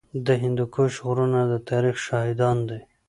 د هندوکش غرونه د تاریخ شاهدان دي